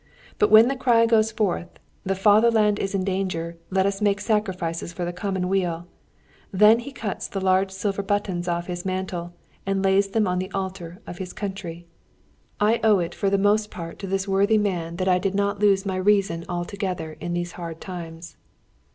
But when the cry goes forth, "The fatherland is in danger! Let us make sacrifices for the commonweal!" then he cuts the large silver buttons off his mantle, and lays them on the altar of his country. I owe it for the most part to this worthy man that I did not lose my reason altogether in these hard times.